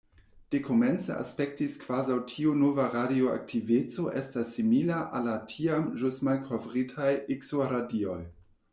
Dekomence, aspektis, kvazaŭ tiu nova radioaktiveco estas simila al la tiam ĵus malkovritaj Ikso-radioj.